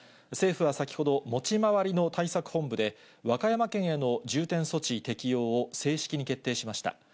政府は先ほど、持ち回りの対策本部で、和歌山県への重点措置適用を正式に決定しました。